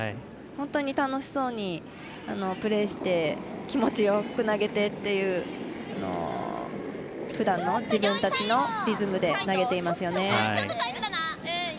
本当に楽しそうにプレーして、気持ちよく投げてっていうふだんの自分たちのリズムで投げていますよね。